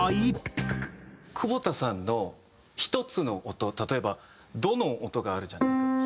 久保田さんの１つの音例えば「ド」の音があるじゃないですか。